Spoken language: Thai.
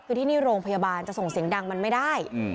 คือที่นี่โรงพยาบาลจะส่งเสียงดังมันไม่ได้